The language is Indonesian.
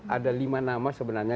ada lima nama sebenarnya